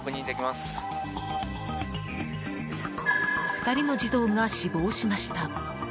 ２人の児童が死亡しました。